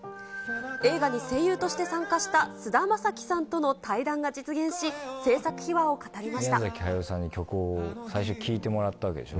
映画に声優として参加した菅田将暉さんとの対談が実現し、宮崎駿さんに曲を最初聴いてもらったわけでしょ？